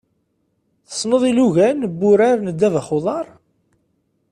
Tessneḍ ilugan n wurar n ddabex n uḍar?